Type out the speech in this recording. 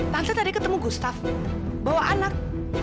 tansa tadi ketemu gustaf bawa anak